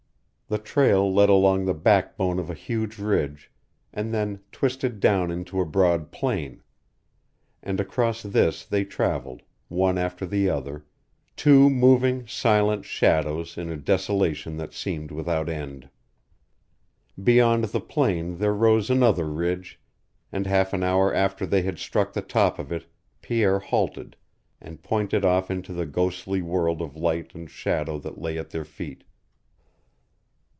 The trail led along the backbone of a huge ridge, and then twisted down into a broad plain; and across this they traveled, one after the other, two moving, silent shadows in a desolation that seemed without end. Beyond the plain there rose another ridge, and half an hour after they had struck the top of it Pierre halted, and pointed off into the ghostly world of light and shadow that lay at their feet.